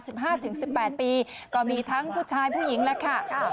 ประมาณ๑๕ถึง๑๘ปีก็มีทั้งผู้ชายผู้หญิงแหละค่ะ